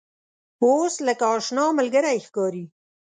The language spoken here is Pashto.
اوس لکه آشنا ملګری ښکاري.